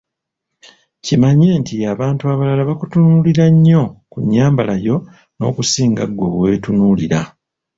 Kimanye nti abantu abalala bakutunuulira nnyo ku nnyambala yo n‘okusinga ggwe bwe weetunuulira.